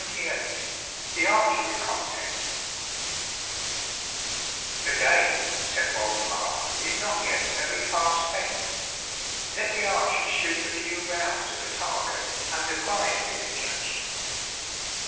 Roberts THE ARCHERY CONTEST "The day," said Waldemar, "is not yet very far spent let the archers shoot a few rounds at the target, and the prize be adjudged."